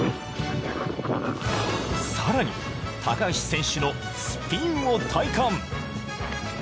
さらに、高橋選手のスピンを体感。